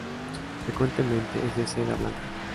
Frecuentemente es de seda blanca.